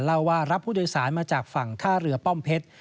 เล่าว่ารับผู้โดยสารมาจากฝั่งท่าเรือป้อมเพชร